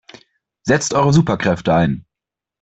Setzt eure Superkräfte ein!